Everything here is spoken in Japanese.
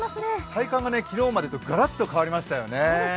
体感が昨日までとガラッと変わりましたよね。